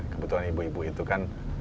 kebetulan ibu ibu itu kan